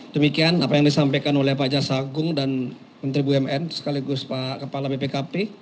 demikian apa yang disampaikan oleh pak jaksa agung dan menteri bumn sekaligus pak kepala bpkp